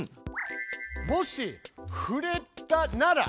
「もし触れたなら」。